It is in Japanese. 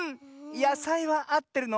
やさいはあってるの。